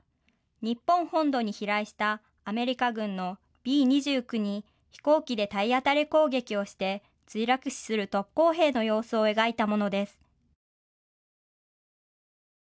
日本本土に飛来したアメリカ軍のＢ２９に飛行機で体当たり攻撃をして墜落死する特攻兵の様子を描いたものです。